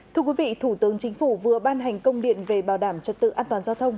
thưa quý vị thủ tướng chính phủ vừa ban hành công điện về bảo đảm trật tự an toàn giao thông